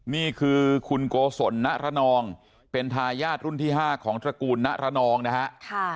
นี่คือคุณโกศลณระนองเป็นทายาทรุ่นที่๕ของตระกูลณระนองนะฮะ